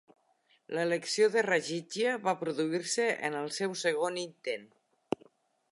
L'elecció de Ragigia va produir-se en el seu segon intent.